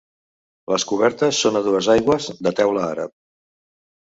Les cobertes són a dues aigües, de teula àrab.